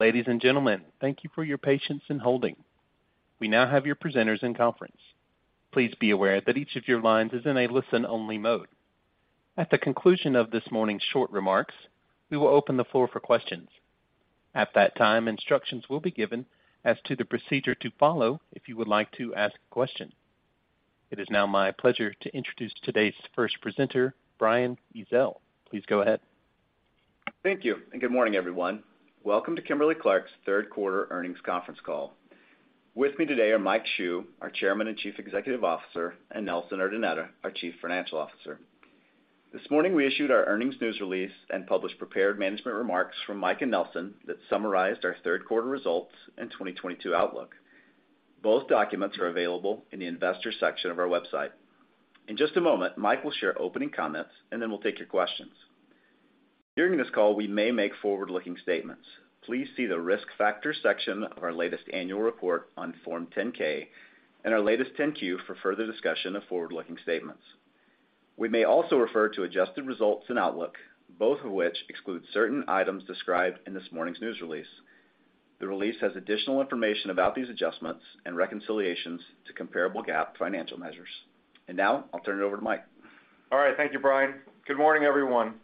Ladies and gentlemen, thank you for your patience in holding. We now have your presenters in conference. Please be aware that each of your lines is in a listen-only mode. At the conclusion of this morning's short remarks, we will open the floor for questions. At that time, instructions will be given as to the procedure to follow if you would like to ask a question. It is now my pleasure to introduce today's first presenter, Brian Ezell. Please go ahead. Thank you, and good morning, everyone. Welcome to Kimberly-Clark's Q3 earnings conference call. With me today are Mike Hsu, our Chairman and Chief Executive Officer, and Nelson Urdaneta, our Chief Financial Officer. This morning, we issued our earnings news release and published prepared management remarks from Mike and Nelson that summarized our Q3 results and 2022 outlook. Both documents are available in the investors section of our website. In just a moment, Mike will share opening comments, and then we'll take your questions. During this call, we may make forward-looking statements. Please see the Risk Factors section of our latest annual report on Form 10-K and our latest Form 10-Q for further discussion of forward-looking statements. We may also refer to adjusted results and outlook, both of which exclude certain items described in this morning's news release. The release has additional information about these adjustments and reconciliations to comparable GAAP financial measures. Now I'll turn it over to Mike. All right. Thank you, Brian. Good morning, everyone.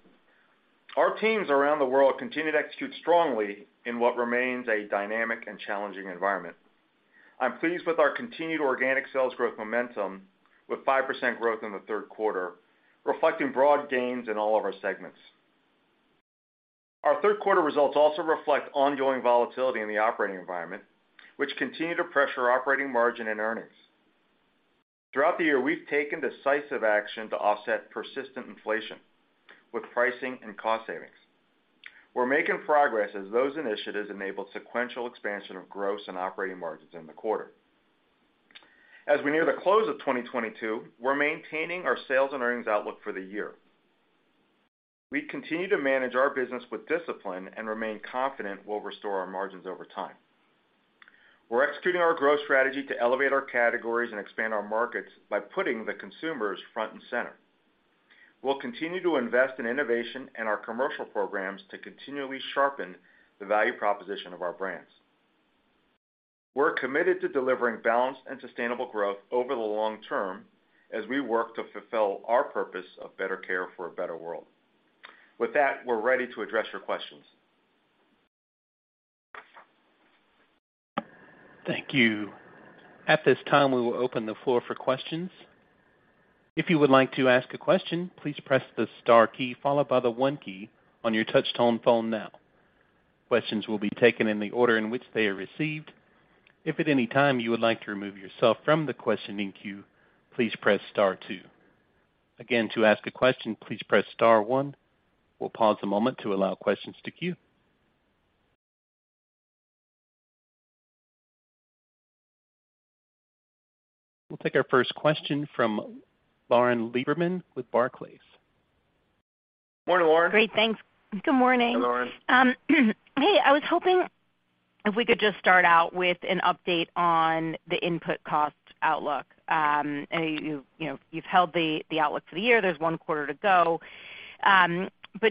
Our teams around the world continue to execute strongly in what remains a dynamic and challenging environment. I'm pleased with our continued organic sales growth momentum with 5% growth in the Q3, reflecting broad gains in all of our segments. Our Q3 results also reflect ongoing volatility in the operating environment, which continue to pressure operating margin and earnings. Throughout the year, we've taken decisive action to offset persistent inflation with pricing and cost savings. We're making progress as those initiatives enable sequential expansion of gross and operating margins in the quarter. As we near the close of 2022, we're maintaining our sales and earnings outlook for the year. We continue to manage our business with discipline and remain confident we'll restore our margins over time. We're executing our growth strategy to elevate our categories and expand our markets by putting the consumers front and center. We'll continue to invest in innovation and our commercial programs to continually sharpen the value proposition of our brands. We're committed to delivering balanced and sustainable growth over the long term as we work to fulfill our purpose of better care for a better world. With that, we're ready to address your questions. Thank you. At this time, we will open the floor for questions. If you would like to ask a question, please press the star key followed by the one key on your touch-tone phone now. Questions will be taken in the order in which they are received. If at any time you would like to remove yourself from the questioning queue, please press star two. Again, to ask a question, please press star one. We'll pause a moment to allow questions to queue. We'll take our first question from Lauren Lieberman with Barclays. Morning, Lauren. Great. Thanks. Good morning. Hi, Lauren. Hey, I was hoping if we could just start out with an update on the input cost outlook. You know, you've held the outlook for the year. There's one quarter to go.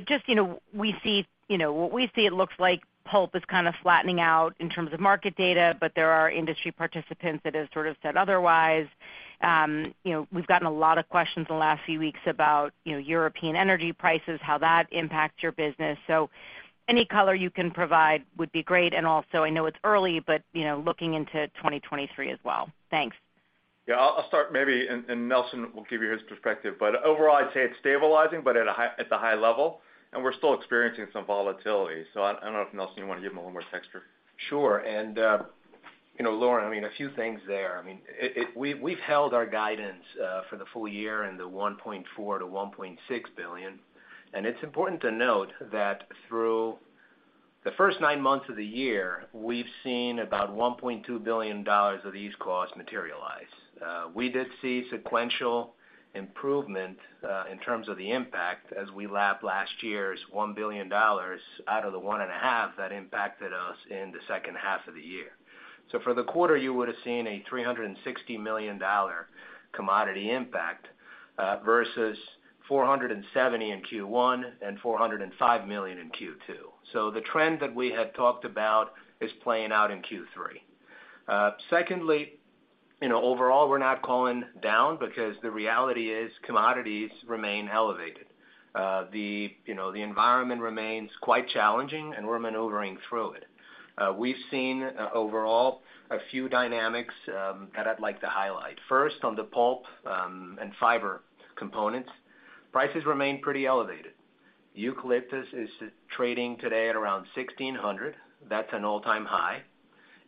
Just, you know, what we see it looks like pulp is kinda flattening out in terms of market data, but there are industry participants that have sort of said otherwise. You know, we've gotten a lot of questions in the last few weeks about, you know, European energy prices, how that impacts your business. So any color you can provide would be great. Also, I know it's early, but, you know, looking into 2023 as well. Thanks. Yeah, I'll start maybe, and Nelson will give you his perspective. Overall, I'd say it's stabilizing, but at a high level, and we're still experiencing some volatility. I don't know if, Nelson, you wanna give them a little more texture. Sure. You know, Lauren, I mean, a few things there. I mean, we've held our guidance for the full year in the $1.4 billion-1.6 billion. It's important to note that through the first nine months of the year, we've seen about $1.2 billion of these costs materialize. We did see sequential improvement in terms of the impact as we lap last year's $1 billion out of the 1.5 that impacted us in the H2 of the year. For the quarter, you would have seen a $360 million commodity impact versus $470 million in Q1 and $405 million in Q2. The trend that we had talked about is playing out in Q3. Secondly, you know, overall, we're not calling down because the reality is commodities remain elevated. The, you know, the environment remains quite challenging, and we're maneuvering through it. We've seen, overall a few dynamics, that I'd like to highlight. First, on the pulp and fiber components, prices remain pretty elevated. Eucalyptus is trading today at around $1,600. That's an all-time high.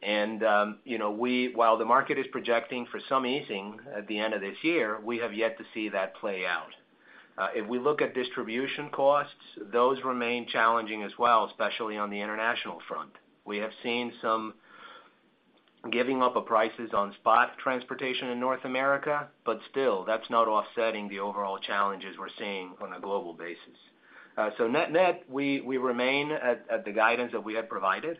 While the market is projecting for some easing at the end of this year, we have yet to see that play out. If we look at distribution costs, those remain challenging as well, especially on the international front. We have seen some giving up of prices on spot transportation in North America, but still, that's not offsetting the overall challenges we're seeing on a global basis. Net-net, we remain at the guidance that we had provided.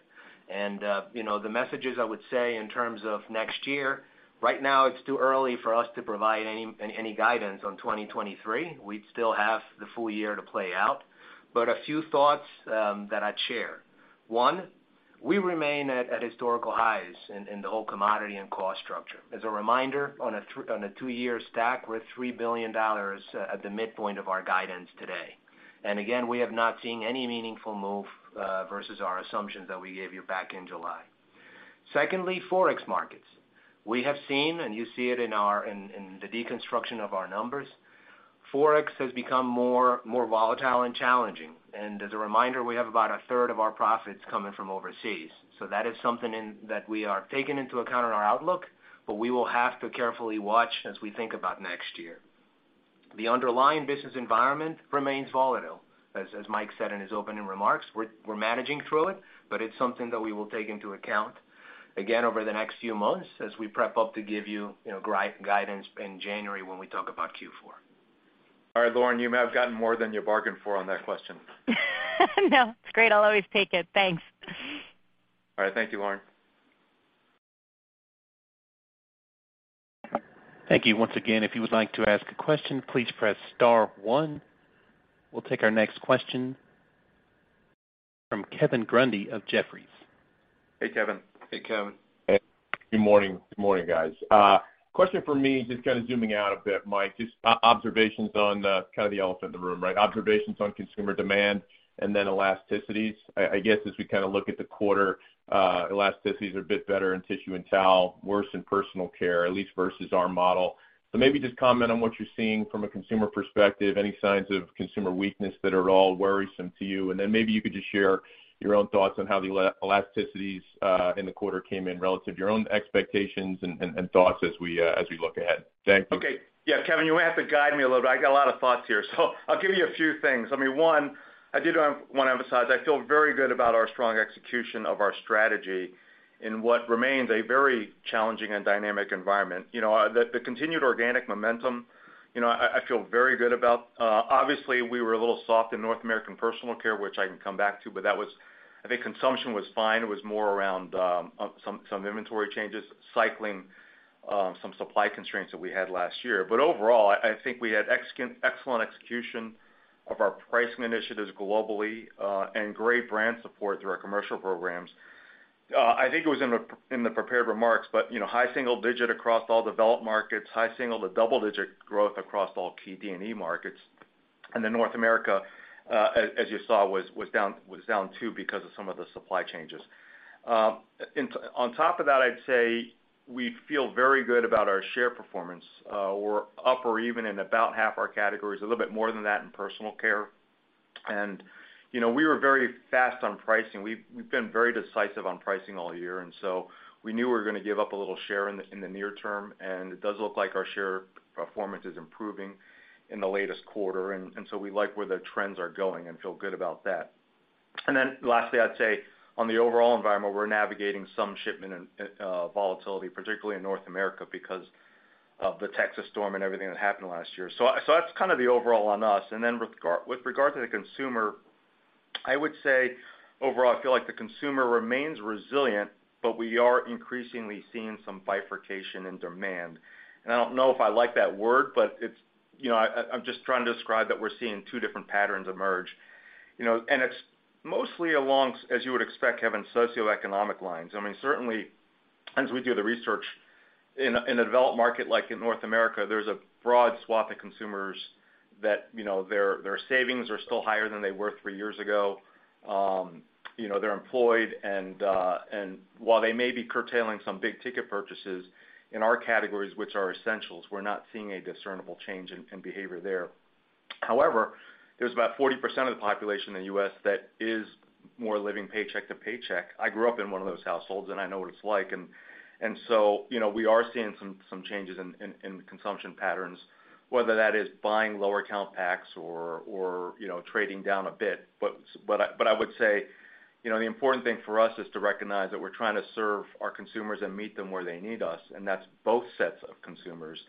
You know, the messages I would say in terms of next year, right now it's too early for us to provide any guidance on 2023. We still have the full year to play out. A few thoughts that I'd share. One, we remain at historical highs in the whole commodity and cost structure. As a reminder, on a two-year stack, we're at $3 billion at the midpoint of our guidance today. Again, we have not seen any meaningful move versus our assumptions that we gave you back in July. Secondly, Forex markets. We have seen, and you see it in the deconstruction of our numbers, Forex has become more volatile and challenging. As a reminder, we have about a third of our profits coming from overseas. That is something that we are taking into account in our outlook, but we will have to carefully watch as we think about next year. The underlying business environment remains volatile. As Mike said in his opening remarks, we're managing through it, but it's something that we will take into account again over the next few months as we prep up to give you know, guidance in January when we talk about Q4. All right, Lauren, you may have gotten more than you bargained for on that question. No, it's great. I'll always take it. Thanks. All right. Thank you, Lauren. Thank you. Once again, if you would like to ask a question, please press star one. We'll take our next question from Kevin Grundy of Jefferies. Hey, Kevin. Hey, Kevin. Hey. Good morning. Good morning, guys. Question for me, just kind of zooming out a bit, Mike, just observations on, kind of the elephant in the room, right? Observations on consumer demand and then elasticities. I guess, as we kind of look at the quarter, elasticities are a bit better in tissue and towel, worse in personal care, at least versus our model. So maybe just comment on what you're seeing from a consumer perspective, any signs of consumer weakness that are at all worrisome to you. Then maybe you could just share your own thoughts on how the elasticities in the quarter came in relative to your own expectations and thoughts as we look ahead. Thank you. Okay. Yeah, Kevin, you're gonna have to guide me a little bit. I got a lot of thoughts here, so I'll give you a few things. I mean, one, I did want to emphasize, I feel very good about our strong execution of our strategy in what remains a very challenging and dynamic environment. You know, the continued organic momentum, you know, I feel very good about. Obviously, we were a little soft in North American personal care, which I can come back to, but that was. I think consumption was fine. It was more around some inventory changes, cycling, some supply constraints that we had last year. Overall, I think we had excellent execution of our pricing initiatives globally, and great brand support through our commercial programs. I think it was in the prepared remarks, but, you know, high single digit across all developed markets, high single to double-digit growth across all key D&E markets. North America, as you saw, was down too because of some of the supply changes. On top of that, I'd say we feel very good about our share performance. We're up or even in about half our categories, a little bit more than that in personal care. You know, we were very fast on pricing. We've been very decisive on pricing all year, and so we knew we were gonna give up a little share in the near term, and it does look like our share performance is improving in the latest quarter, and so we like where the trends are going and feel good about that. Then lastly, I'd say on the overall environment, we're navigating some shipment and volatility, particularly in North America because of the Texas storm and everything that happened last year. That's kind of the overall on us. Then with regard to the consumer, I would say overall, I feel like the consumer remains resilient, but we are increasingly seeing some bifurcation in demand. I don't know if I like that word, but it's, you know, I'm just trying to describe that we're seeing two different patterns emerge. You know, it's mostly along, as you would expect, Kevin, socioeconomic lines. I mean, certainly as we do the research in a developed market like in North America, there's a broad swath of consumers that, you know, their savings are still higher than they were three years ago. You know, they're employed, and while they may be curtailing some big ticket purchases, in our categories, which are essentials, we're not seeing a discernible change in behavior there. However, there's about 40% of the population in the U.S. that is more living paycheck to paycheck. I grew up in one of those households, and I know what it's like. You know, we are seeing some changes in consumption patterns, whether that is buying lower count packs or, you know, trading down a bit. I would say, you know, the important thing for us is to recognize that we're trying to serve our consumers and meet them where they need us, and that's both sets of consumers.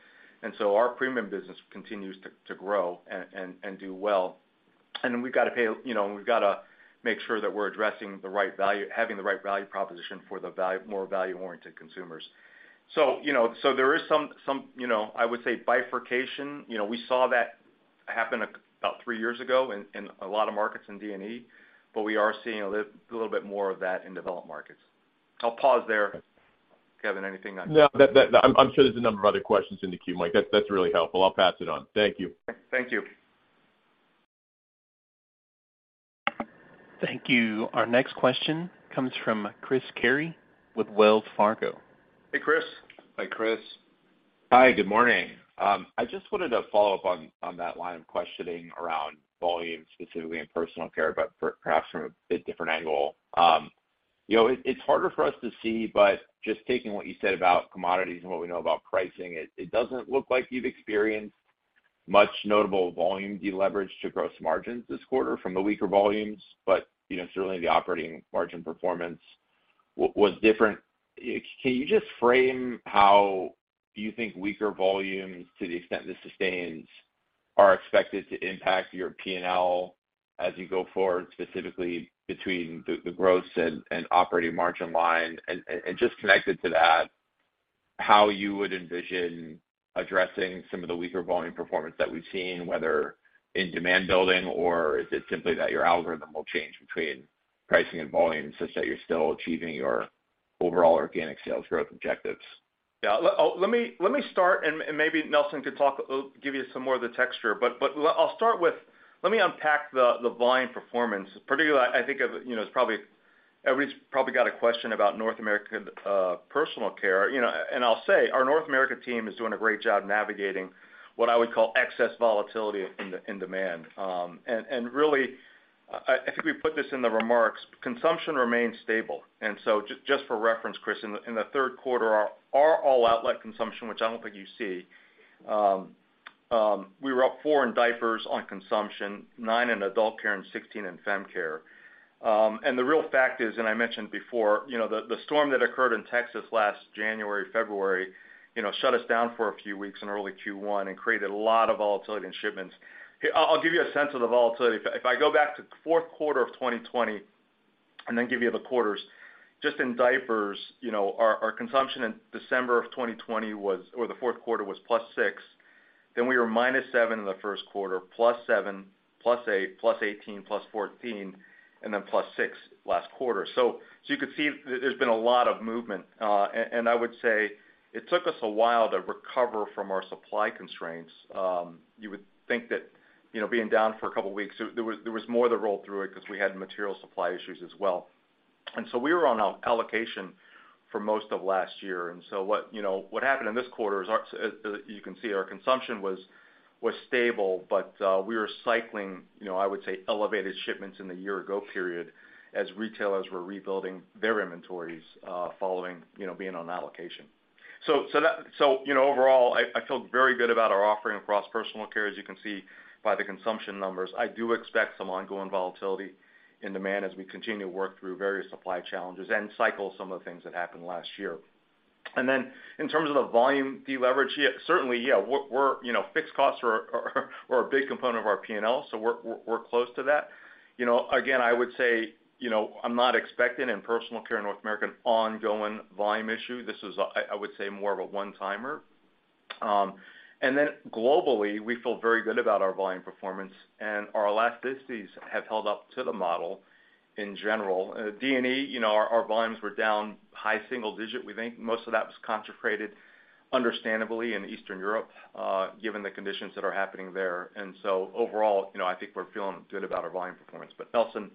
Our premium business continues to grow and do well. We've got to pay, you know, and we've got to make sure that we're having the right value proposition for the more value-oriented consumers. You know, there is some, you know, I would say bifurcation. You know, we saw that happen about three years ago in a lot of markets in D&E, but we are seeing a little bit more of that in developed markets. I'll pause there. Kevin, anything on- No. I'm sure there's a number of other questions in the queue, Mike. That's really helpful. I'll pass it on. Thank you. Thank you. Thank you. Our next question comes from Chris Carey with Wells Fargo. Hey, Chris. Hi, Chris. Hi, good morning. I just wanted to follow up on that line of questioning around volume, specifically in personal care, but perhaps from a bit different angle. You know, it's harder for us to see, but just taking what you said about commodities and what we know about pricing, it doesn't look like you've experienced much notable volume deleverage to gross margins this quarter from the weaker volumes. You know, certainly the operating margin performance was different. Can you just frame how you think weaker volumes, to the extent this sustains, are expected to impact your P&L as you go forward, specifically between the gross and operating margin line? Just connected to that, how you would envision addressing some of the weaker volume performance that we've seen, whether in demand building, or is it simply that your algorithm will change between pricing and volume such that you're still achieving your overall organic sales growth objectives? Let me start, and maybe Nelson could talk, give you some more of the texture. I'll start with let me unpack the volume performance. Particularly, I think, you know, it's probably everybody's got a question about North America personal care, you know, and I'll say our North America team is doing a great job navigating what I would call excess volatility in demand. And really, I think we put this in the remarks, consumption remains stable. Just for reference, Chris, in the Q3, our all outlet consumption, which I don't think you see, we were up 4% in diapers on consumption, 9% in adult care, and 16% in fem care. The real fact is, and I mentioned before, you know, the storm that occurred in Texas last January, February, you know, shut us down for a few weeks in early Q1 and created a lot of volatility in shipments. I'll give you a sense of the volatility. If I go back to Q4 of 2020 and then give you the quarters, just in diapers, you know, our consumption in December of 2020 was, or the Q4, was +6%, then we were -7% in the Q1, +7%, +8%, +18%, +14%, and then +6% last quarter. You could see there's been a lot of movement. I would say it took us a while to recover from our supply constraints. You would think that, you know, being down for a couple of weeks, there was more that rolled through it because we had material supply issues as well. We were on allocation for most of last year. What happened in this quarter is our consumption was stable, but we were cycling, you know, I would say, elevated shipments in the year ago period as retailers were rebuilding their inventories following, you know, being on allocation. That, you know, overall, I feel very good about our offering across personal care, as you can see by the consumption numbers. I do expect some ongoing volatility in demand as we continue to work through various supply challenges and cycle some of the things that happened last year. In terms of the volume deleverage, certainly, yeah, we're you know, fixed costs are a big component of our P&L, so we're close to that. You know, again, I would say, you know, I'm not expecting in personal care in North America ongoing volume issue. This is, I would say, more of a one-timer. Globally, we feel very good about our volume performance and our elasticities have held up to the model in general. D&E, you know, our volumes were down high single digit. We think most of that was concentrated, understandably, in Eastern Europe, given the conditions that are happening there. Overall, you know, I think we're feeling good about our volume performance. Nelson,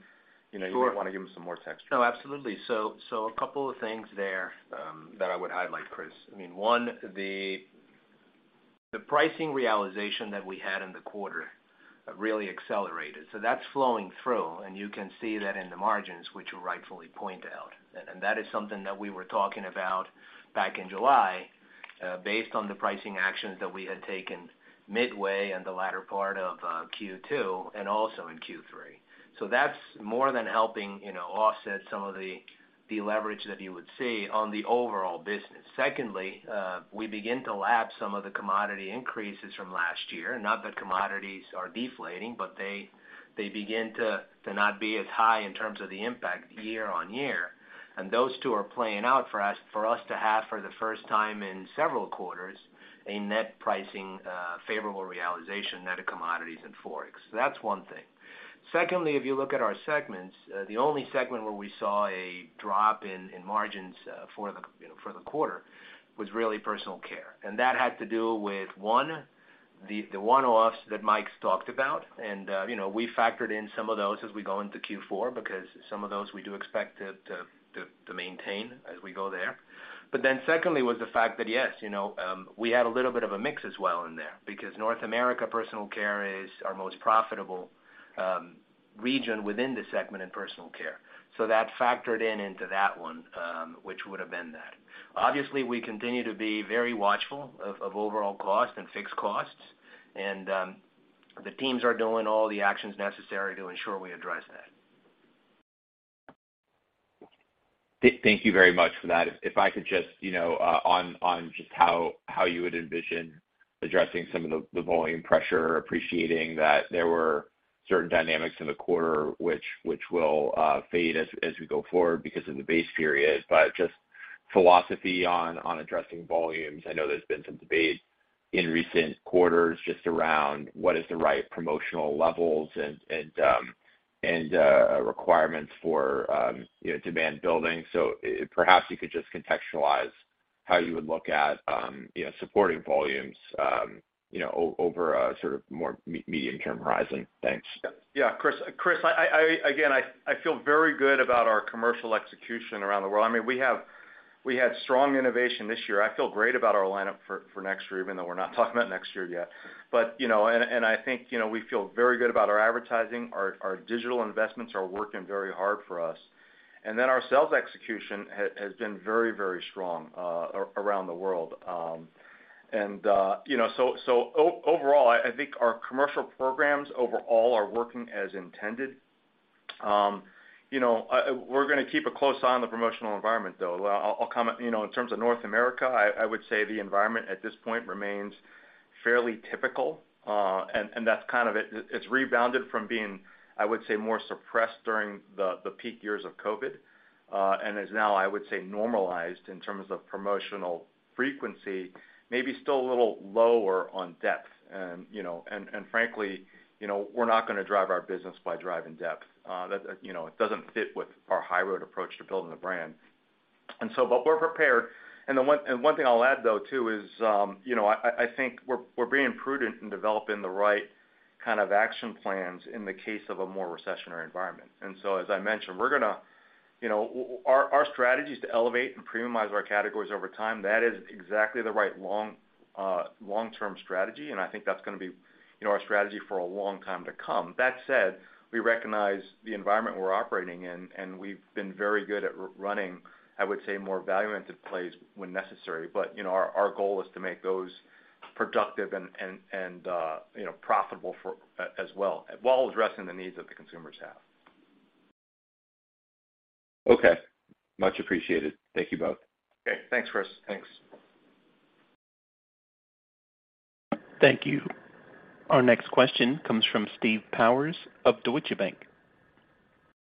you know, you may want to give them some more texture. Sure. No, absolutely. A couple of things there that I would highlight, Chris. I mean, one, the pricing realization that we had in the quarter really accelerated. That's flowing through, and you can see that in the margins, which you rightfully point out. That is something that we were talking about back in July, based on the pricing actions that we had taken midway and the latter part of Q2 and also in Q3. That's more than helping, you know, offset some of the leverage that you would see on the overall business. Secondly, we begin to lap some of the commodity increases from last year, not that commodities are deflating, but they begin to not be as high in terms of the impact quarter-over-quarter. Those two are playing out for us to have for the first time in several quarters, a net pricing, favorable realization net of commodities and Forex. That's one thing. Secondly, if you look at our segments, the only segment where we saw a drop in margins, you know, for the quarter was really personal care. That had to do with, one, the one-offs that Mike's talked about. You know, we factored in some of those as we go into Q4 because some of those we do expect to maintain as we go there. Secondly was the fact that, yes, you know, we had a little bit of a mix as well in there because North America personal care is our most profitable region within the segment in personal care. That factored in into that one, which would have been that. Obviously, we continue to be very watchful of overall cost and fixed costs. The teams are doing all the actions necessary to ensure we address that. Thank you very much for that. If I could just, you know, on just how you would envision addressing some of the volume pressure, appreciating that there were certain dynamics in the quarter which will fade as we go forward because of the base period, but just philosophy on addressing volumes. I know there's been some debate in recent quarters just around what is the right promotional levels and requirements for, you know, demand building. Perhaps you could just contextualize how you would look at, you know, supporting volumes, you know, over a sort of more medium term horizon. Thanks. Yeah, Chris, I again feel very good about our commercial execution around the world. I mean, we had strong innovation this year. I feel great about our lineup for next year, even though we're not talking about next year yet. You know, and I think we feel very good about our advertising. Our digital investments are working very hard for us. And then our sales execution has been very strong around the world. And so overall, I think our commercial programs overall are working as intended. We're gonna keep a close eye on the promotional environment, though. I'll comment in terms of North America, I would say the environment at this point remains Fairly typical. That's kind of it. It's rebounded from being, I would say, more suppressed during the peak years of COVID, and is now, I would say, normalized in terms of promotional frequency, maybe still a little lower on depth. You know, frankly, you know, we're not gonna drive our business by driving depth. That, you know, it doesn't fit with our high road approach to building the brand. We're prepared. One thing I'll add, though, too, is, you know, I think we're being prudent in developing the right kind of action plans in the case of a more recessionary environment. As I mentioned, we're gonna, you know, our strategy is to elevate and premiumize our categories over time. That is exactly the right long-term strategy, and I think that's gonna be, you know, our strategy for a long time to come. That said, we recognize the environment we're operating in, and we've been very good at running, I would say, more value into plays when necessary. You know, our goal is to make those productive and, you know, profitable as well, while addressing the needs that the consumers have. Okay. Much appreciated. Thank you both. Okay. Thanks, Chris. Thanks. Thank you. Our next question comes from Steve Powers of Deutsche Bank.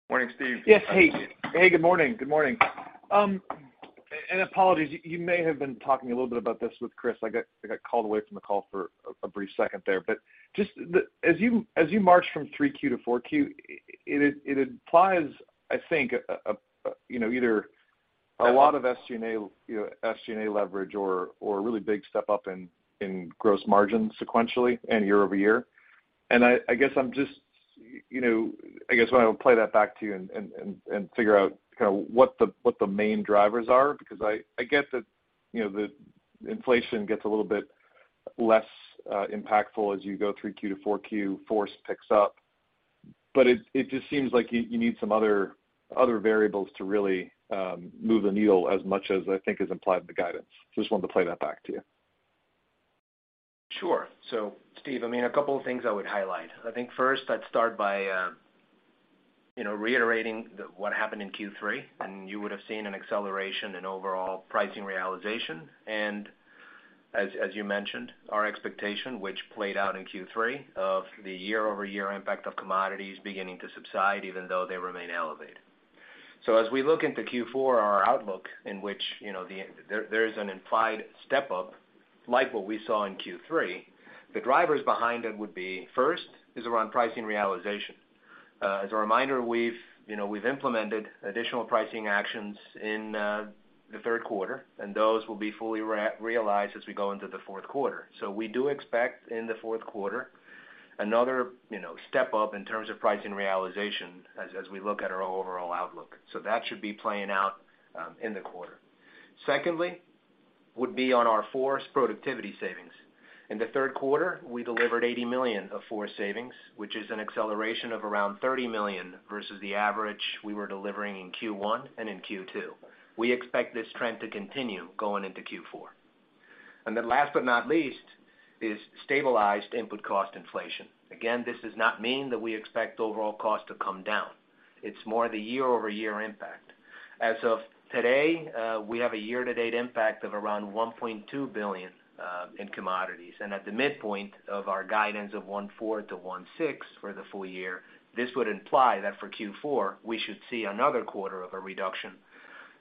Morning, Steve. Yes. Hey. Hey, good morning. Good morning. Apologies, you may have been talking a little bit about this with Chris. I got called away from the call for a brief second there. Just as you march from Q3 to Q4, it implies, I think, you know, either a lot of SG&A, you know, SG&A leverage or a really big step up in gross margin sequentially and quarter-over-quarter. I guess I'm just, you know, I guess wanna play that back to you and figure out kind of what the main drivers are because I get that, you know, the inflation gets a little bit less impactful as you go Q3 to Q4, FORCE picks up. It just seems like you need some other variables to really move the needle as much as I think is implied in the guidance. Just wanted to play that back to you. Sure. Steve, I mean, a couple of things I would highlight. I think first I'd start by reiterating what happened in Q3, and you would have seen an acceleration in overall pricing realization. As you mentioned, our expectation, which played out in Q3, of the quarter-over-quarter impact of commodities beginning to subside even though they remain elevated. As we look into Q4, our outlook in which there's an implied step-up like what we saw in Q3, the drivers behind it would be, first, is around pricing realization. As a reminder, we've implemented additional pricing actions in the Q3, and those will be fully realized as we go into the Q4. We do expect in the Q4 another, you know, step-up in terms of pricing realization as we look at our overall outlook. That should be playing out in the quarter. Secondly, would be on our FORCE productivity savings. In the Q3, we delivered $80 million of FORCE savings, which is an acceleration of around $30 million versus the average we were delivering in Q1 and in Q2. We expect this trend to continue going into Q4. Then last but not least is stabilized input cost inflation. Again, this does not mean that we expect overall cost to come down. It's more the quarter-over-quarter impact. As of today, we have a year-to-date impact of around $1.2 billion in commodities. At the midpoint of our guidance of $1.4 billion-1.6 billion for the full year, this would imply that for Q4, we should see another quarter of a reduction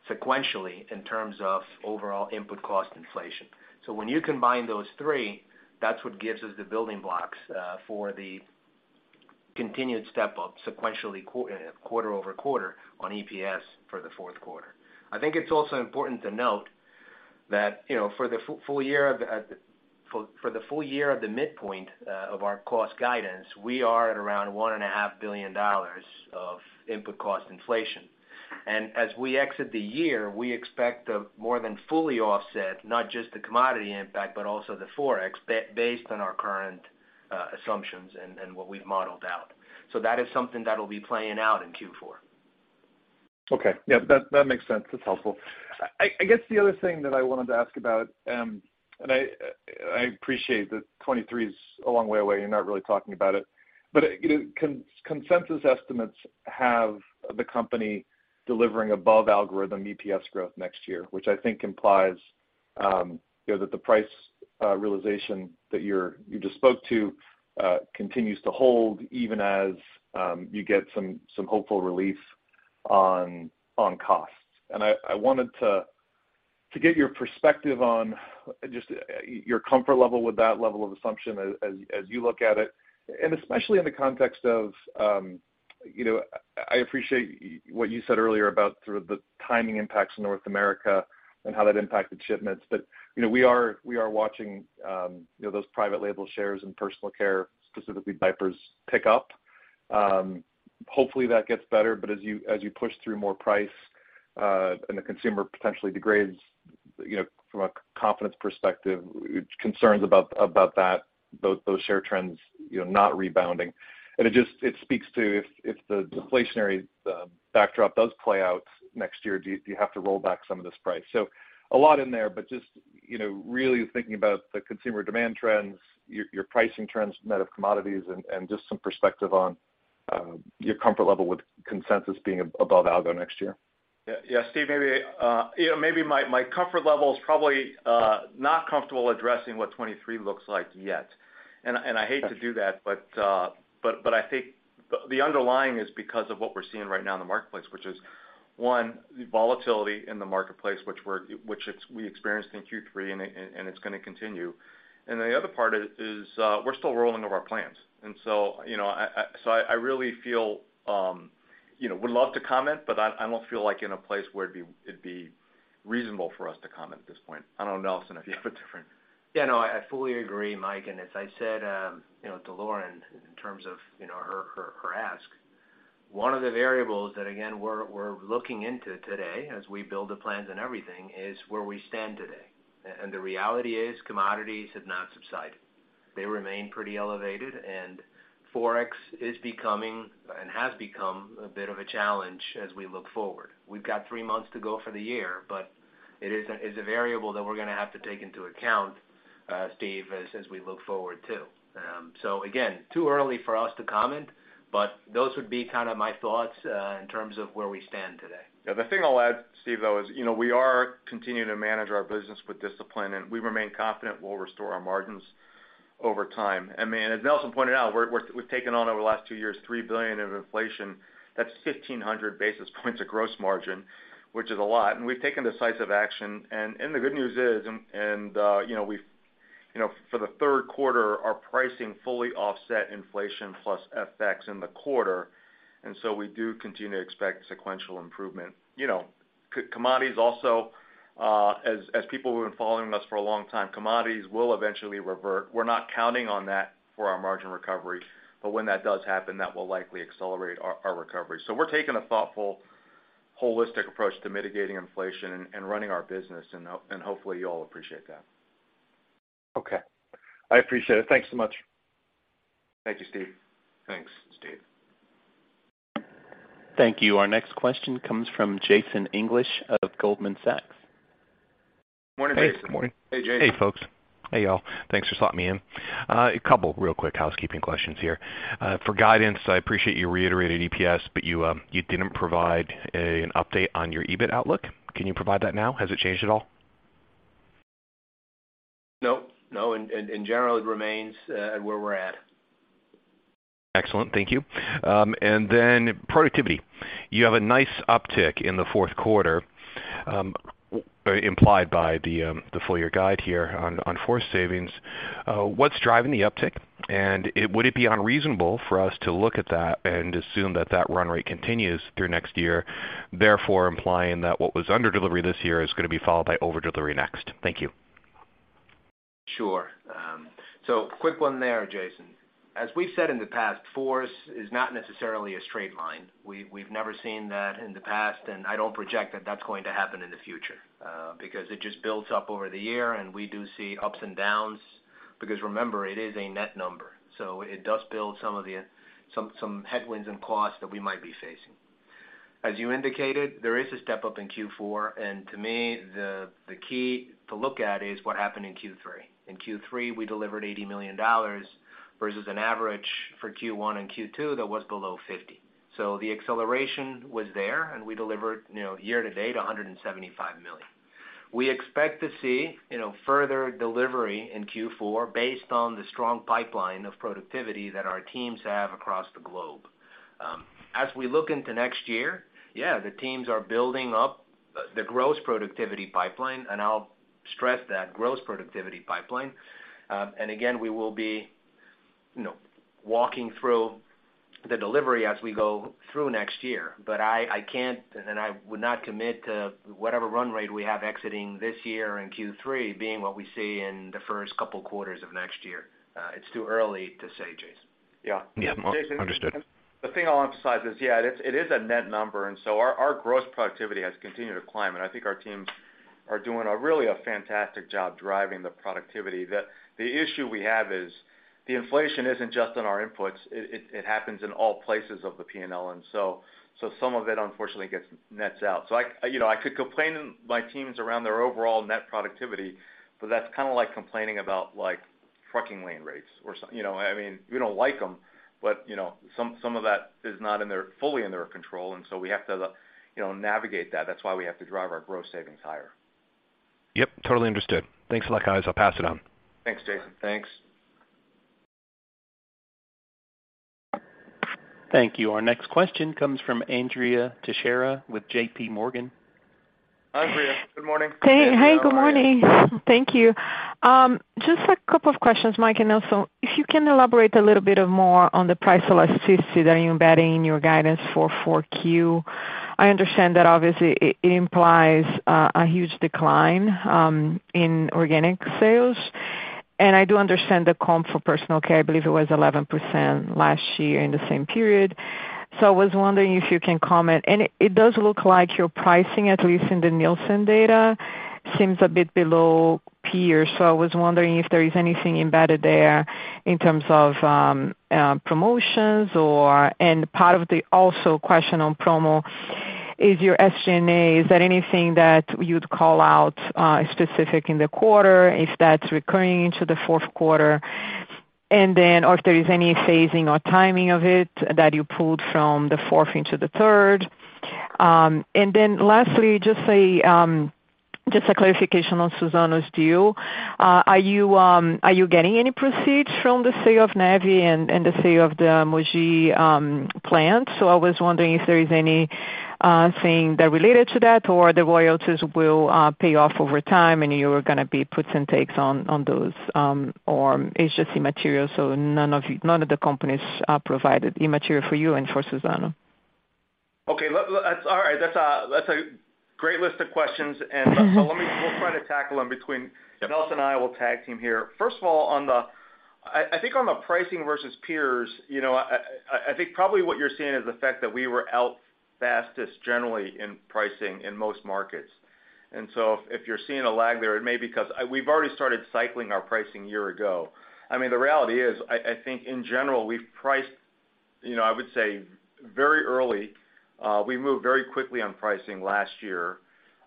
sequentially in terms of overall input cost inflation. When you combine those three, that's what gives us the building blocks for the continued step-up sequentially quarter-over-quarter on EPS for the Q4. I think it's also important to note that for the full year of the midpoint of our cost guidance, we are at around $1.5 billion of input cost inflation. As we exit the year, we expect to more than fully offset not just the commodity impact, but also the Forex based on our current assumptions and what we've modeled out. That is something that'll be playing out in Q4. Okay. Yeah. That makes sense. That's helpful. I guess the other thing that I wanted to ask about, and I appreciate that 2023 is a long way away. You're not really talking about it. You know, consensus estimates have the company delivering above algorithm EPS growth next year, which I think implies, you know, that the price realization that you just spoke to continues to hold even as you get some hopeful relief on costs. I wanted to get your perspective on just your comfort level with that level of assumption as you look at it, and especially in the context of, you know, I appreciate what you said earlier about sort of the timing impacts in North America and how that impacted shipments. you know, we are watching those private label shares in personal care, specifically diapers, pick up. Hopefully, that gets better. As you push through more price and the consumer potentially degrades, you know, from a confidence perspective, concerns about that, those share trends, you know, not rebounding. It just speaks to if the deflationary backdrop does play out next year, do you have to roll back some of this price. A lot in there, but just, you know, really thinking about the consumer demand trends, your pricing trends net of commodities and just some perspective on Your comfort level with consensus being above algo next year? Yeah, Steve, maybe, you know, maybe my comfort level is probably not comfortable addressing what 2023 looks like yet. I hate to do that, but I think the underlying is because of what we're seeing right now in the marketplace, which is, one, the volatility in the marketplace, which we experienced in Q3 and it's gonna continue. The other part is, we're still rolling over our plans. You know, I really feel, you know, would love to comment, but I don't feel like in a place where it'd be reasonable for us to comment at this point. I don't know, Nelson, if you have a different Yeah, no, I fully agree, Mike. As I said, you know, to Lauren, in terms of, you know, her ask, one of the variables that again, we're looking into today as we build the plans and everything is where we stand today. The reality is commodities have not subsided. They remain pretty elevated, and Forex is becoming and has become a bit of a challenge as we look forward. We've got three months to go for the year, but it is a variable that we're gonna have to take into account, Steve, as we look forward too. Again, too early for us to comment, but those would be kind of my thoughts in terms of where we stand today. Yeah. The thing I'll add, Steve, though, is, you know, we are continuing to manage our business with discipline, and we remain confident we'll restore our margins over time. I mean, as Nelson pointed out, we've taken on over the last two years, $3 billion of inflation. That's 1,500 basis points of gross margin, which is a lot, and we've taken decisive action. The good news is, you know, we've, you know, for the Q3, our pricing fully offset inflation plus FX in the quarter. We do continue to expect sequential improvement. You know, commodities also, as people who have been following us for a long time, commodities will eventually revert. We're not counting on that for our margin recovery, but when that does happen, that will likely accelerate our recovery. We're taking a thoughtful, holistic approach to mitigating inflation and running our business and hopefully you all appreciate that. Okay. I appreciate it. Thanks so much. Thank you, Steve. Thanks, Steve. Thank you. Our next question comes from Jason English of Goldman Sachs. Morning, Jason. Hey. Morning. Hey, Jason. Hey, folks. Hey, y'all. Thanks for slotting me in. A couple real quick housekeeping questions here. For guidance, I appreciate you reiterating EPS, but you didn't provide an update on your EBIT outlook. Can you provide that now? Has it changed at all? No. In general, it remains where we're at. Excellent. Thank you. Productivity. You have a nice uptick in the Q4, implied by the full year guide here on FORCE savings. What's driving the uptick? Would it be unreasonable for us to look at that and assume that that run rate continues through next year, therefore implying that what was under delivery this year is gonna be followed by over delivery next? Thank you. Sure. Quick one there, Jason. As we've said in the past, FORCE is not necessarily a straight line. We've never seen that in the past, and I don't project that that's going to happen in the future, because it just builds up over the year and we do see ups and downs because remember, it is a net number, so it does build some of the headwinds and costs that we might be facing. As you indicated, there is a step-up in Q4, and to me, the key to look at is what happened in Q3. In Q3, we delivered $80 million versus an average for Q1 and Q2 that was below $50. The acceleration was there and we delivered, you know, year to date, $175 million. We expect to see, you know, further delivery in Q4 based on the strong pipeline of productivity that our teams have across the globe. As we look into next year, yeah, the teams are building up the gross productivity pipeline, and I'll stress that, gross productivity pipeline. Again, we will be, you know, walking through the delivery as we go through next year. I can't and I would not commit to whatever run rate we have exiting this year in Q3 being what we see in the first couple quarters of next year. It's too early to say, Jason. Yeah. Yeah. Understood. The thing I'll emphasize is, yeah, it is a net number, and so our gross productivity has continued to climb, and I think our teams are doing a really fantastic job driving the productivity. The issue we have is the inflation isn't just on our inputs. It happens in all places of the P&L. Some of it unfortunately gets nets out. I, you know, could complain to my teams around their overall net productivity, but that's kind of like complaining about like trucking lane rates or so. You know, I mean, we don't like them, but you know, some of that is not fully in their control, and we have to, you know, navigate that. That's why we have to drive our gross savings higher. Yep. Totally understood. Thanks a lot, guys. I'll pass it on. Thanks, Jason. Thanks. Thank you. Our next question comes from Andrea Teixeira with J.P. Morgan. Hi, Andrea. Good morning. Hey. Hi. Good morning. Thank you. Just a couple of questions, Mike and Nelson. If you can elaborate a little bit more on the price elasticity that you're embedding in your guidance for 4Q. I understand that obviously it implies a huge decline in organic sales. I do understand the comp for personal care. I believe it was 11% last year in the same period. I was wondering if you can comment. It does look like your pricing, at least in the Nielsen data, seems a bit below peers. I was wondering if there is anything embedded there in terms of promotions or. Part of the question also on promo. Is your SG&A anything that you'd call out specific in the quarter, if that's recurring into the Q4? If there is any phasing or timing of it that you pulled from the fourth into the third. Lastly, just a clarification on Suzano's deal. Are you getting any proceeds from the sale of Neve and the sale of the Mogi plant? I was wondering if there is anything that related to that, or the royalties will pay off over time, and you are gonna be puts and takes on those, or it's just immaterial, so none of the companies are provided immaterial for you and for Suzano. Okay. That's all right. That's a great list of questions. We'll try to tackle them between- Yep. Nelson and I will tag team here. First of all, I think on the pricing versus peers, you know, I think probably what you're seeing is the fact that we were out fastest generally in pricing in most markets. If you're seeing a lag there, it may be 'cause we've already started cycling our pricing a year ago. I mean, the reality is, I think in general, we've priced, you know, I would say, very early, we moved very quickly on pricing last year.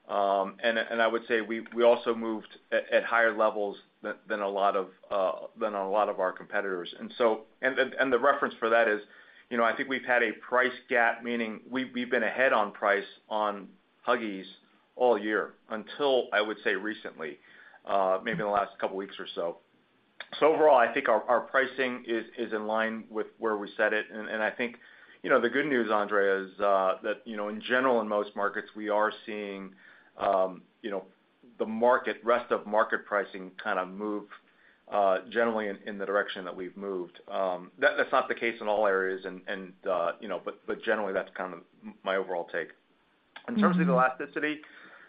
I would say we also moved at higher levels than a lot of our competitors. The reference for that is, you know, I think we've had a price gap, meaning we've been ahead on price on Huggies all year until, I would say, recently, maybe in the last couple weeks or so. So overall I think our pricing is in line with where we set it. I think, you know, the good news, Andrea, is that, you know, in general, in most markets, we are seeing, you know, the market, rest of market pricing kind of move generally in the direction that we've moved. That's not the case in all areas and, you know, but generally that's kind of my overall take. Mm-hmm. In terms of the elasticity,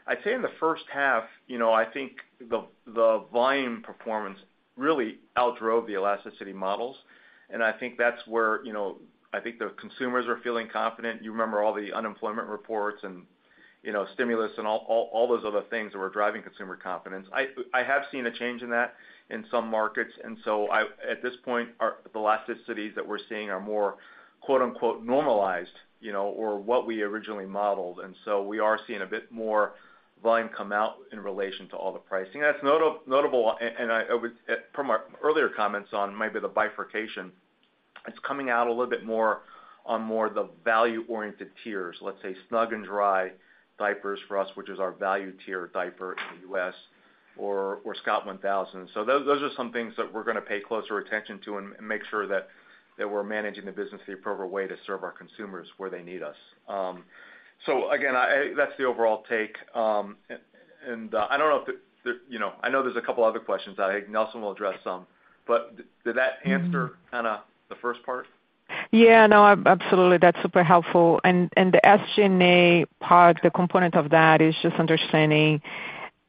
I'd say in the H1, you know, I think the volume performance really outdrove the elasticity models, and I think that's where, you know, I think the consumers are feeling confident. You remember all the unemployment reports and, you know, stimulus and all those other things that were driving consumer confidence. I have seen a change in that in some markets, and at this point, the elasticities that we're seeing are more, quote and quote, normalized, you know, or what we originally modeled. We are seeing a bit more volume come out in relation to all the pricing. That's notable, from our earlier comments on maybe the bifurcation, it's coming out a little bit more on the value-oriented tiers, let's say Snug & Dry diapers for us, which is our value tier diaper in the U.S., or Scott 1000. Those are some things that we're gonna pay closer attention to and make sure that we're managing the business the appropriate way to serve our consumers where they need us. So again, that's the overall take. And I don't know if that, you know, I know there's a couple other questions. I think Nelson will address some, but did that answer. Mm-hmm. Kinda the first part? Yeah. No. Absolutely. That's super helpful. The SG&A part, the component of that is just understanding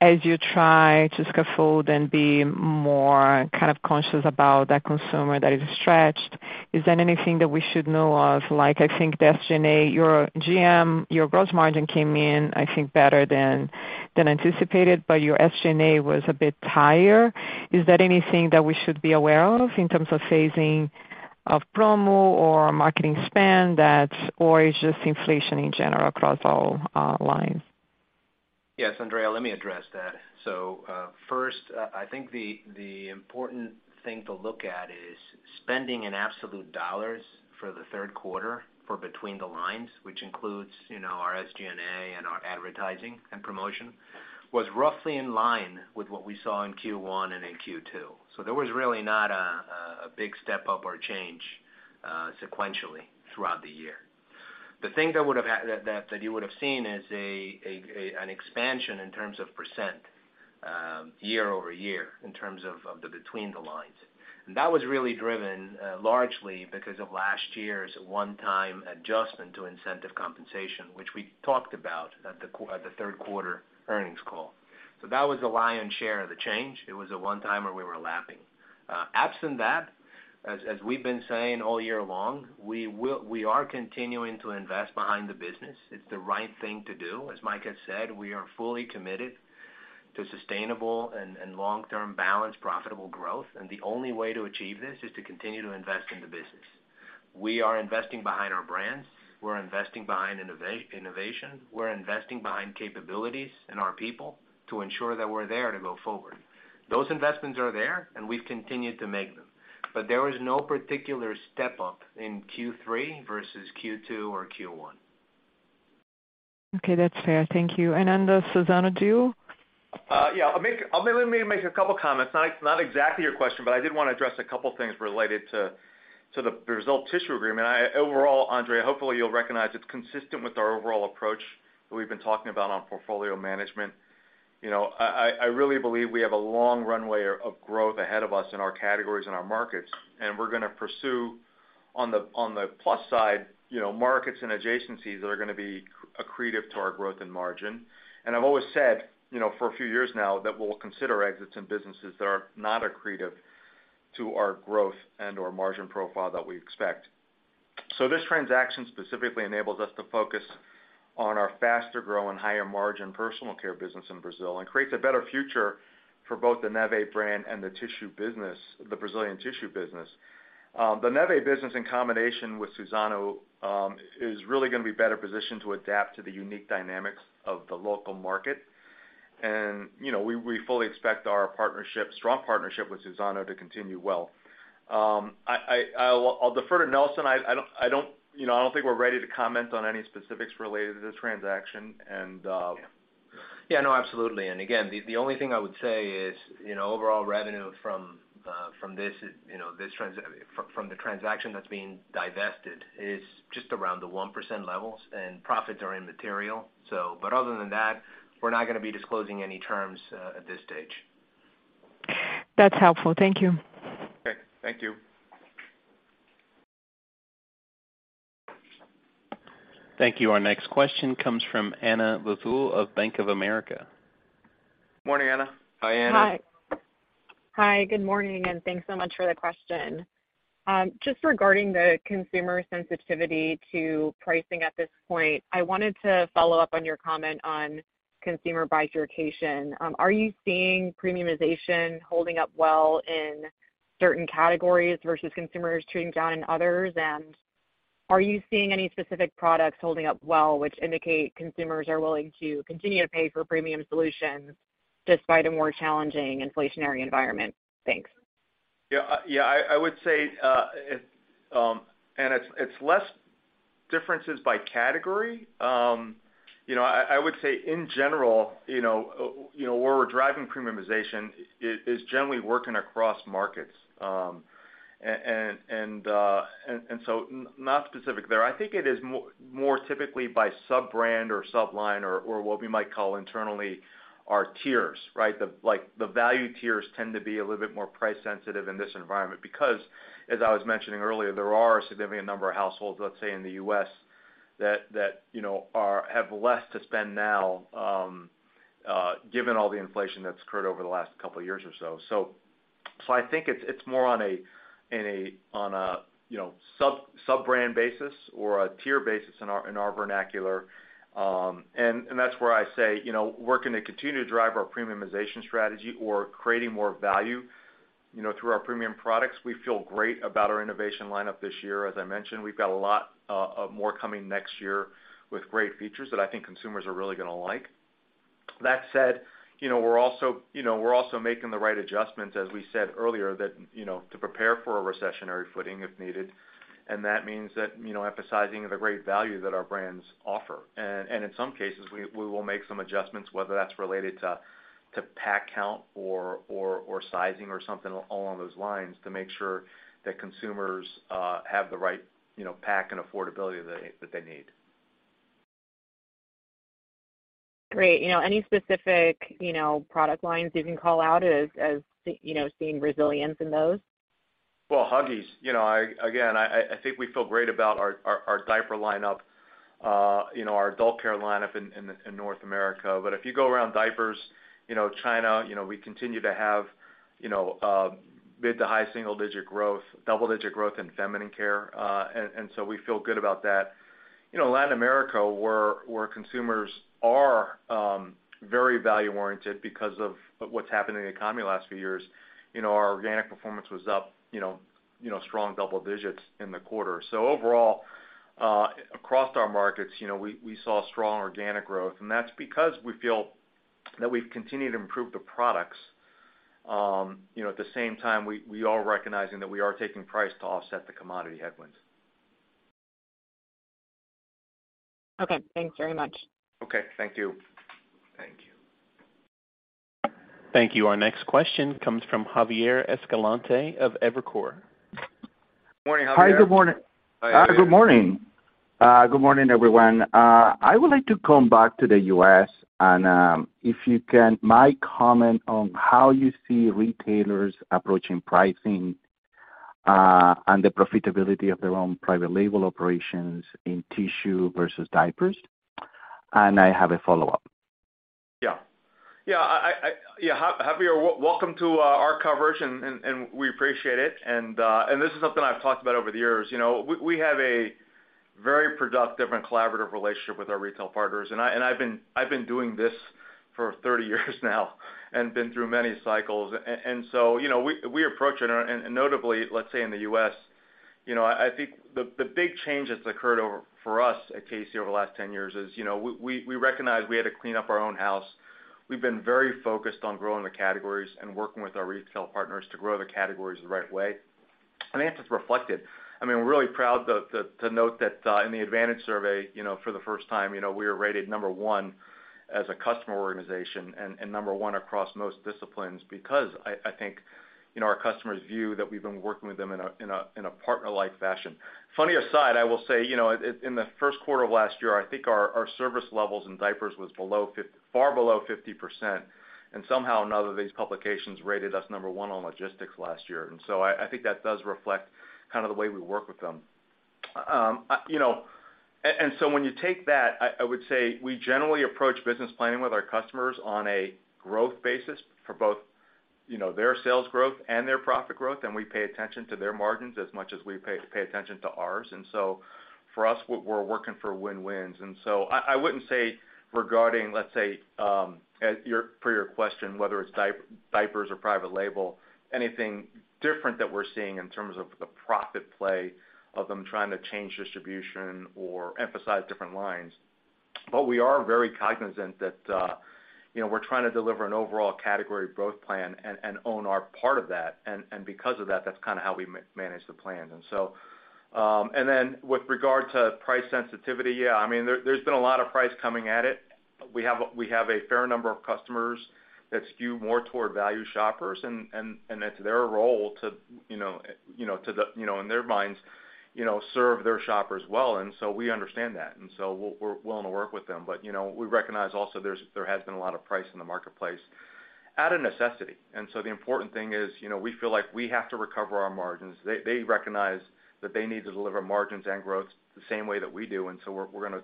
as you try to scaffold and be more kind of conscious about that consumer that is stretched, is there anything that we should know of? Like, I think the SG&A, your GM, your gross margin came in, I think, better than anticipated, but your SG&A was a bit higher. Is there anything that we should be aware of in terms of phasing of promo or marketing spend that's. Or it's just inflation in general across all lines? Yes, Andrea, let me address that. First, I think the important thing to look at is spending in absolute dollars for the Q3 for below the line, which includes, you know, our SG&A and our advertising and promotion, was roughly in line with what we saw in Q1 and in Q2. There was really not a big step-up or change sequentially throughout the year. The thing that you would have seen is an expansion in terms of percent quarter-over-quarter in terms of the below the line. That was really driven largely because of last year's one-time adjustment to incentive compensation, which we talked about at the Q3 earnings call. That was the lion's share of the change. It was a one-timer we were lapping. Absent that, as we've been saying all year long, we are continuing to invest behind the business. It's the right thing to do. As Mike has said, we are fully committed to sustainable and long-term balanced, profitable growth, and the only way to achieve this is to continue to invest in the business. We are investing behind our brands, we're investing behind innovation, we're investing behind capabilities and our people to ensure that we're there to go forward. Those investments are there, and we've continued to make them, but there was no particular step-up in Q3 versus Q2 or Q1. Okay. That's fair. Thank you. The Suzano deal? Yeah. I'll maybe make a couple comments. Not exactly your question, but I did wanna address a couple things related to the result tissue agreement. Overall, Andrea, hopefully you'll recognize it's consistent with our overall approach that we've been talking about on portfolio management. You know, I really believe we have a long runway of growth ahead of us in our categories and our markets, and we're gonna pursue on the plus side, you know, markets and adjacencies that are gonna be accretive to our growth and margin. I've always said, you know, for a few years now that we'll consider exits in businesses that are not accretive to our growth and/or margin profile that we expect. This transaction specifically enables us to focus on our faster-growing, higher-margin personal care business in Brazil and creates a better future for both the Neve brand and the tissue business, the Brazilian tissue business. The Neve business in combination with Suzano is really gonna be better positioned to adapt to the unique dynamics of the local market. We fully expect our partnership, strong partnership with Suzano to continue well. I'll defer to Nelson. I don't think we're ready to comment on any specifics related to this transaction. Yeah, no, absolutely. Again, the only thing I would say is, you know, overall revenue from this transaction that's being divested is just around the 1% levels, and profits are immaterial. But other than that, we're not gonna be disclosing any terms at this stage. That's helpful. Thank you. Okay, thank you. Thank you. Our next question comes from Anna Lizzul of Bank of America. Morning, Anna Lizzul. Hi, Anna. Hi. good morning, and thanks so much for the question. Just regarding the consumer sensitivity to pricing at this point, I wanted to follow up on your comment on consumer bifurcation. Are you seeing premiumization holding up well in certain categories versus consumers trading down in others? Are you seeing any specific products holding up well, which indicate consumers are willing to continue to pay for premium solutions despite a more challenging inflationary environment? Thanks. Yeah, yeah, I would say, and it's less differences by category. You know, I would say in general, you know, where we're driving premiumization is generally working across markets. And so not specific there. I think it is more typically by sub-brand or sub-line or what we might call internally our tiers, right? Like, the value tiers tend to be a little bit more price sensitive in this environment because, as I was mentioning earlier, there are a significant number of households, let's say in the U.S., that you know, have less to spend now, given all the inflation that's occurred over the last couple years or so. I think it's more on a you know sub-sub-brand basis or a tier basis in our vernacular. That's where I say you know working to continue to drive our premiumization strategy or creating more value you know through our premium products. We feel great about our innovation lineup this year. As I mentioned, we've got a lot more coming next year with great features that I think consumers are really gonna like. That said, you know, we're also making the right adjustments, as we said earlier, that you know to prepare for a recessionary footing if needed, and that means that you know emphasizing the great value that our brands offer. In some cases, we will make some adjustments, whether that's related to pack count or sizing or something along those lines to make sure that consumers have the right, you know, pack and affordability that they need. Great. You know, any specific, you know, product lines you can call out as, you know, seeing resilience in those? Well, Huggies. You know, again, I think we feel great about our diaper lineup, you know, our adult care lineup in North America. But if you go around diapers, you know, China, you know, we continue to have, you know, mid- to high single-digit growth, double-digit growth in feminine care, and so we feel good about that. You know, Latin America, where consumers are very value-oriented because of what's happened in the economy the last few years, you know, our organic performance was up, you know, strong double digits in the quarter. Overall, across our markets, you know, we saw strong organic growth, and that's because we feel that we've continued to improve the products. You know, at the same time, we are recognizing that we are taking price to offset the commodity headwinds. Okay. Thanks very much. Okay. Thank you. Thank you. Thank you. Our next question comes from Javier Escalante of Evercore. Morning, Javier. Hi. Good morning. Hi, Javier. Good morning. Good morning, everyone. I would like to come back to the U.S., and if you can, might comment on how you see retailers approaching pricing, and the profitability of their own private label operations in tissue versus diapers. I have a follow-up. Javier, welcome to our coverage, and we appreciate it. This is something I've talked about over the years. You know, we have a very productive and collaborative relationship with our retail partners, and I've been doing this for 30 years now and been through many cycles. You know, we approach it, and notably, let's say in the U.S., you know, I think the big change that's occurred for us at K-C over the last 10 years is, you know, we recognized we had to clean up our own house. We've been very focused on growing the categories and working with our retail partners to grow the categories the right way. I think it's reflected. I mean, we're really proud to note that in the Advantage Survey, you know, for the first time, you know, we are rated number one as a customer organization and number one across most disciplines because I think, you know, our customers view that we've been working with them in a partner-like fashion. Funny aside, I will say, you know, in the Q1 of last year, I think our service levels in diapers was far below 50%, and somehow or another, these publications rated us number one on logistics last year. I think that does reflect kind of the way we work with them. You know, when you take that, I would say we generally approach business planning with our customers on a growth basis for both, you know, their sales growth and their profit growth, and we pay attention to their margins as much as we pay attention to ours. For us, we're working for win-wins. I wouldn't say regarding, let's say, your question, whether it's diapers or private label, anything different that we're seeing in terms of the profit play of them trying to change distribution or emphasize different lines. We are very cognizant that, you know, we're trying to deliver an overall category growth plan and own our part of that. Because of that's kinda how we manage the plan. With regard to price sensitivity, yeah, I mean, there's been a lot of price coming at it. We have a fair number of customers that skew more toward value shoppers, and it's their role to, you know, in their minds, you know, serve their shoppers well, and we understand that. We're willing to work with them. You know, we recognize also there has been a lot of price in the marketplace out of necessity. The important thing is, you know, we feel like we have to recover our margins. They recognize that they need to deliver margins and growth the same way that we do, and so we're gonna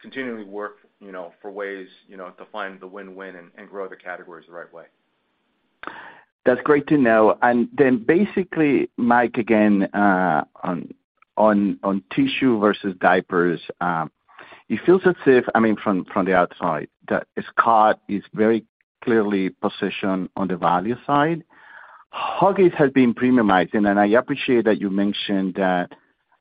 continually work, you know, for ways, you know, to find the win-win and grow the categories the right way. That's great to know. Then basically, Mike, again, on tissue versus diapers, it feels as if, I mean, from the outside, that Scott is very clearly positioned on the value side. Huggies has been premiumizing, and I appreciate that you mentioned that,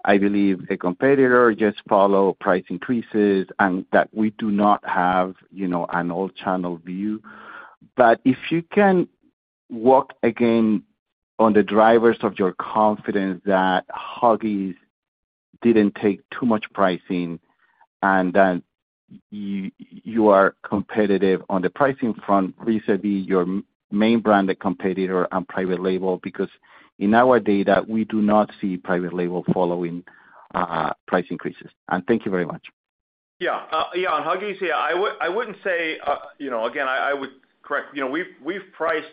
I believe, a competitor just follow price increases and that we do not have, you know, an all-channel view. If you can walk again on the drivers of your confidence that Huggies didn't take too much pricing and that you are competitive on the pricing front vis-a-vis your main brand competitor and private label, because in our data we do not see private label following price increases. Thank you very much. Yeah. Yeah, on Huggies, yeah, I would—I wouldn't say, you know, again, I would correct. You know, we've priced,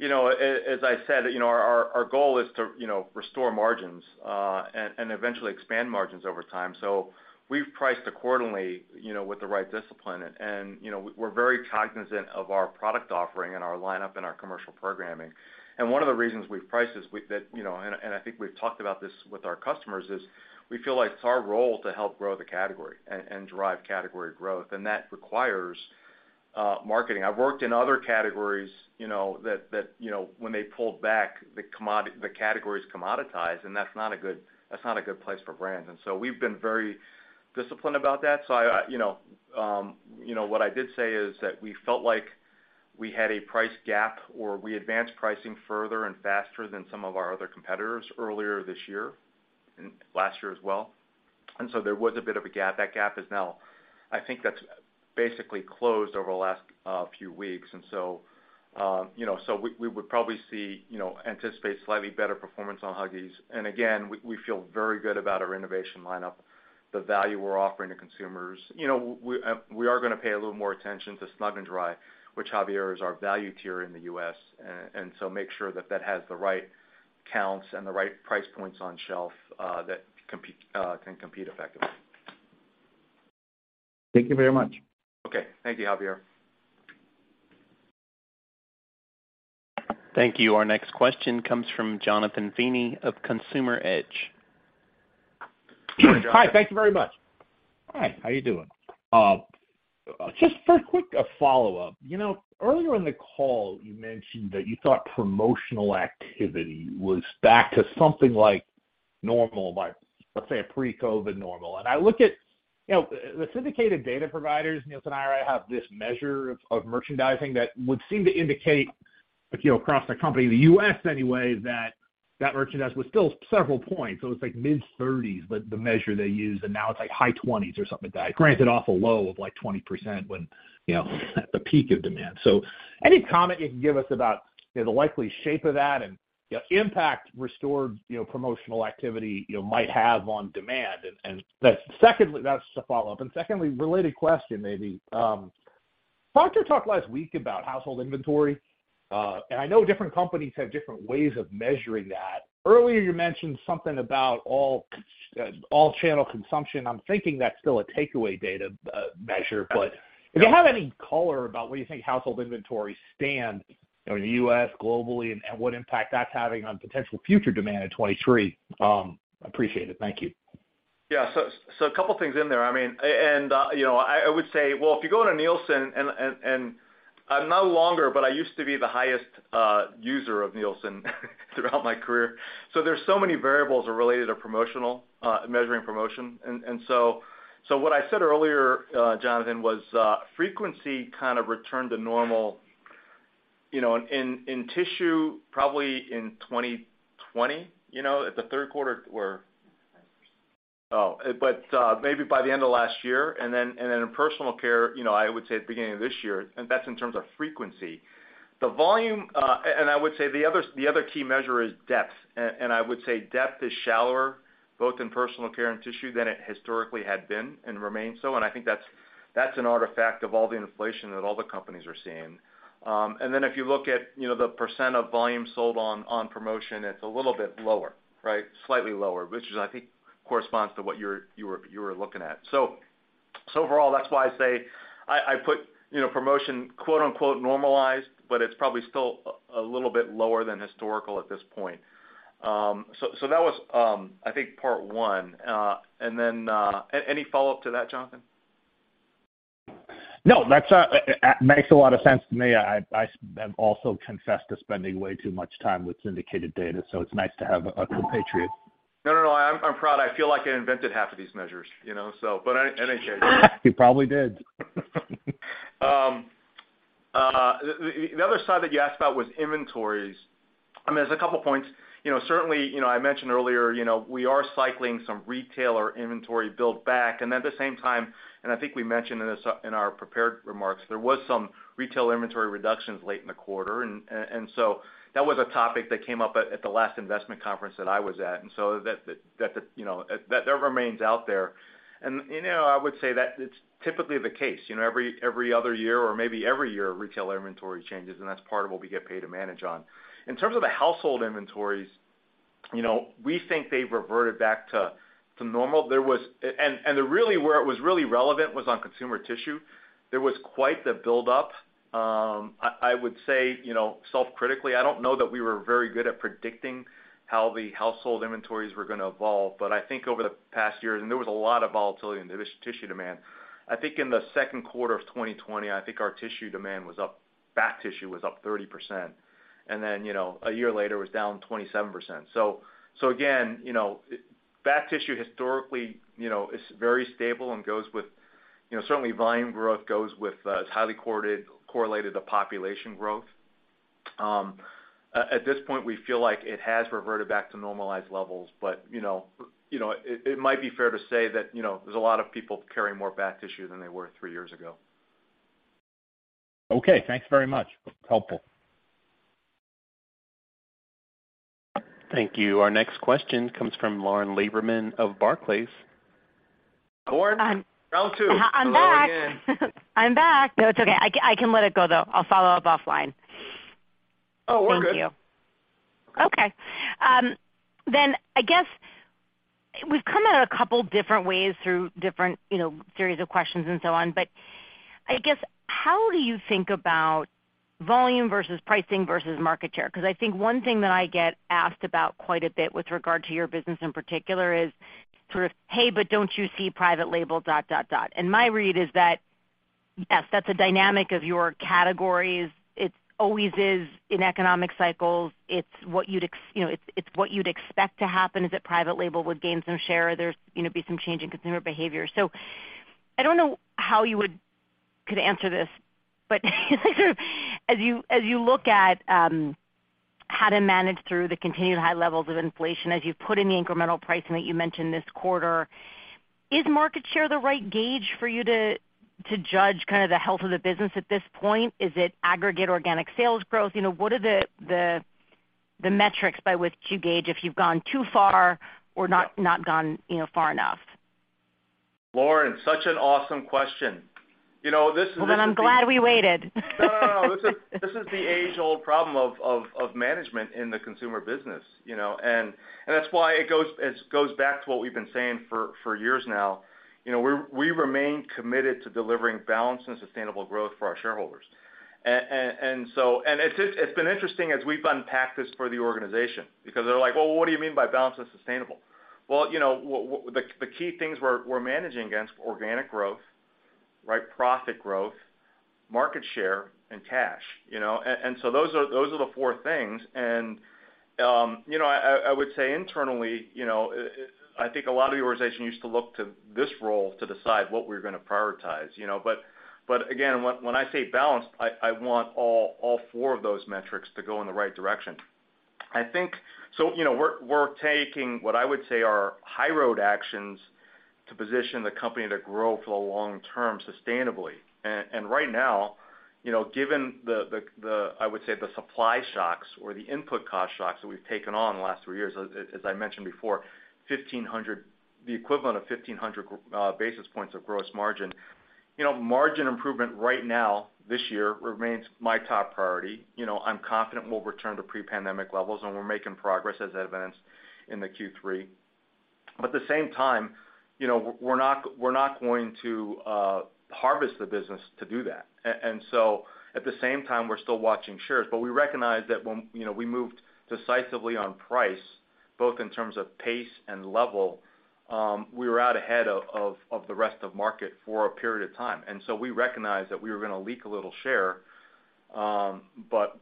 you know, as I said, you know, our goal is to, you know, restore margins, and eventually expand margins over time. We've priced accordingly, you know, with the right discipline. You know, we're very cognizant of our product offering and our lineup and our commercial programming. One of the reasons we've priced this, that, you know, and I think we've talked about this with our customers, is we feel like it's our role to help grow the category and drive category growth, and that requires marketing. I've worked in other categories, you know, when they pull back the category's commoditized and that's not a good place for brands. We've been very disciplined about that. I you know what I did say is that we felt like we had a price gap or we advanced pricing further and faster than some of our other competitors earlier this year, and last year as well. There was a bit of a gap. That gap is now. I think that's basically closed over the last few weeks. You know, we would probably see, you know, anticipate slightly better performance on Huggies. Again, we feel very good about our innovation lineup, the value we're offering to consumers. You know, we are gonna pay a little more attention to Snug & Dry, which, Javier, is our value tier in the US. Make sure that has the right counts and the right price points on shelf that can compete effectively. Thank you very much. Okay. Thank you, Javier. Thank you. Our next question comes from Jonathan Feeney of Consumer Edge. Hi, thank you very much. Hi, how you doing? Just for a quick follow-up. You know, earlier in the call you mentioned that you thought promotional activity was back to something like normal by, let's say, a pre-COVID normal. I look at, you know, the syndicated data providers, Nielsen, IRI, have this measure of merchandising that would seem to indicate, you know, across the company, the U.S. anyway, that merchandising was still several points. It's like mid-thirties, the measure they use, and now it's like high twenties or something like that. Granted, off a low of like 20% when, you know, at the peak of demand. Any comment you can give us about, you know, the likely shape of that and the impact of restored promotional activity, you know, might have on demand? Secondly, that's a follow-up and secondly, related question maybe. Procter & Gamble talked last week about household inventory, and I know different companies have different ways of measuring that. Earlier you mentioned something about all channel consumption. I'm thinking that's still a takeaway data measure. If you have any color about where you think household inventory stand in the US, globally, and what impact that's having on potential future demand in 2023, appreciate it. Thank you. A couple things in there. I mean, and you know, I would say, well, if you go into Nielsen, and I'm no longer, but I used to be the highest user of Nielsen throughout my career, so there's so many variables are related to promotional measuring promotion. What I said earlier, Jonathan, was frequency kind of returned to normal, you know, in tissue probably in 2020, you know, at the Q3 or maybe by the end of last year. Then in personal care, you know, I would say at the beginning of this year, and that's in terms of frequency. The volume, and I would say the other key measure is depth. I would say depth is shallower both in personal care and tissue than it historically had been and remains so, and I think that's an artifact of all the inflation that all the companies are seeing. If you look at, you know, the percent of volume sold on promotion, it's a little bit lower, right? Slightly lower, which I think corresponds to what you were looking at. Overall, that's why I say I put, you know, promotion, quote-unquote, normalized, but it's probably still a little bit lower than historical at this point. That was, I think, part one. Any follow-up to that, Jonathan? No, that makes a lot of sense to me. I am also accustomed to spending way too much time with syndicated data, so it's nice to have a compatriot. No. I'm proud. I feel like I invented half of these measures, you know? But in any case. You probably did. The other side that you asked about was inventories. I mean, there's a couple points. You know, certainly, you know, I mentioned earlier, you know, we are cycling some retailer inventory build back. At the same time, I think we mentioned in our prepared remarks, there was some retail inventory reductions late in the quarter. That was a topic that came up at the last investment conference that I was at. That remains out there. You know, I would say that it's typically the case, you know, every other year or maybe every year, retail inventory changes, and that's part of what we get paid to manage on. In terms of the household inventories, you know, we think they've reverted back to normal. There was. Where it was really relevant was on consumer tissue. There was quite the buildup. I would say, you know, self-critically, I don't know that we were very good at predicting how the household inventories were gonna evolve. I think over the past year, and there was a lot of volatility in the tissue demand. I think in the Q2 of 2020, I think our tissue demand was up, bath tissue was up 30%, and then, you know, a year later was down 27%. Again, you know, bath tissue historically, you know, is very stable and goes with, you know, certainly volume growth goes with, it's highly correlated to population growth. At this point, we feel like it has reverted back to normalized levels. You know, it might be fair to say that, you know, there's a lot of people carrying more bath tissue than they were three years ago. Okay, thanks very much. Helpful. Thank you. Our next question comes from Lauren Lieberman of Barclays. Lauren, round two. I'm back. Hello again. I'm back. No, it's okay. I can let it go, though. I'll follow-up offline. Oh, we're good. Thank you. Okay. I guess we've come at it a couple different ways through different, you know, series of questions and so on. I guess, how do you think about volume versus pricing versus market share? 'Cause I think one thing that I get asked about quite a bit with regard to your business in particular is sort of, "Hey, but don't you see private label." My read is that, yes, that's a dynamic of your categories. It always is in economic cycles. It's what you'd expect to happen is that private label would gain some share. There's, you know, be some change in consumer behavior. I don't know how you could answer this, but sort of as you look at how to manage through the continued high levels of inflation, as you put in the incremental pricing that you mentioned this quarter, is market share the right gauge for you to judge kind of the health of the business at this point? Is it aggregate organic sales growth? You know, what are the metrics by which you gauge if you've gone too far or not gone, you know, far enough? Lauren, such an awesome question. You know, this is the- Well, I'm glad we waited. No, no. This is the age-old problem of management in the consumer business, you know. That's why it goes back to what we've been saying for years now. You know, we remain committed to delivering balanced and sustainable growth for our shareholders. It's been interesting as we've unpacked this for the organization because they're like, "Well, what do you mean by balanced and sustainable?" Well, you know, the key things we're managing against organic growth, right? Profit growth, market share, and cash, you know. Those are the four things. You know, I would say internally, you know, I think a lot of the organization used to look to this role to decide what we're gonna prioritize, you know? Again, when I say balanced, I want all four of those metrics to go in the right direction. I think you know, we're taking what I would say are high road actions to position the company to grow for the long term sustainably. And right now, you know, given the supply shocks or the input cost shocks that we've taken on the last three years, as I mentioned before, 1,500, the equivalent of 1,500 basis points of gross margin. You know, margin improvement right now, this year, remains my top priority. You know, I'm confident we'll return to pre-pandemic levels, and we're making progress as evidenced in the Q3. At the same time, you know, we're not going to harvest the business to do that. At the same time, we're still watching shares. We recognize that when, you know, we moved decisively on price, both in terms of pace and level, we were out ahead of the rest of market for a period of time. We recognized that we were gonna leak a little share. But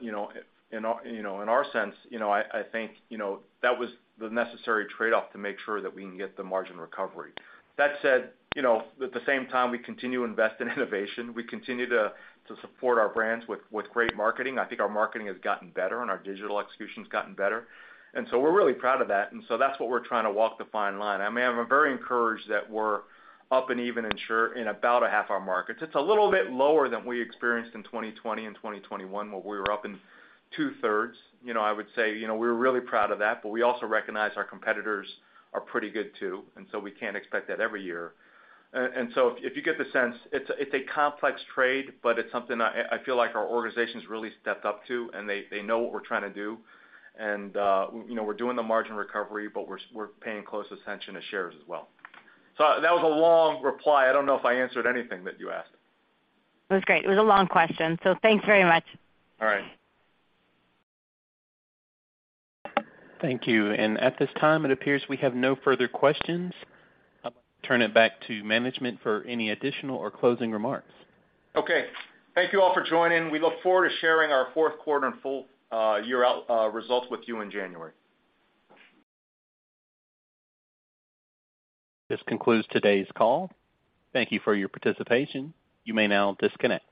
you know, in our, you know, in our sense, you know, I think, you know, that was the necessary trade-off to make sure that we can get the margin recovery. That said, you know, at the same time, we continue to invest in innovation. We continue to support our brands with great marketing. I think our marketing has gotten better and our digital execution's gotten better. We're really proud of that. That's what we're trying to walk the fine line. I mean, I'm very encouraged that we're up and even in share in about half our markets. It's a little bit lower than we experienced in 2020 and 2021 when we were up in two-thirds. You know, I would say, you know, we're really proud of that, but we also recognize our competitors are pretty good, too, and so we can't expect that every year. And so if you get the sense, it's a complex trade, but it's something I feel like our organization's really stepped up to and they know what we're trying to do. And, you know, we're doing the margin recovery, but we're paying close attention to shares as well. That was a long reply. I don't know if I answered anything that you asked. It was great. It was a long question, so thanks very much. All right. Thank you. At this time, it appears we have no further questions. I'll turn it back to management for any additional or closing remarks. Okay. Thank you all for joining. We look forward to sharing our Q4 and full year out results with you in January. This concludes today's call. Thank you for your participation. You may now disconnect.